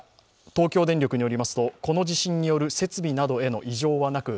東京電力によりますと、この地震による設備などへの異常はなく